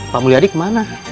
pak mulyadi kemana